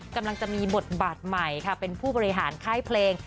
กำลังจะมีบทบาทใหม่ค่ะเป็นผู้บริหารค่ายเพลง